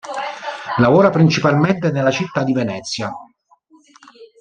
Lavora principalmente nella città di Venezia.